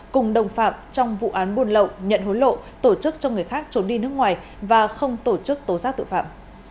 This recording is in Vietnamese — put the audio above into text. cùng đồng phạm trong vụ án buồn lộ nhận hối lộ tổ chức cho người khác trốn đi nước ngoài và không tổ chức tố xác tự phạm